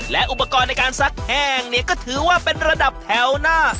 และอุปกรณ์ในการซักแห้งเนี่ยก็ถือว่าเป็นระดับแถวหน้า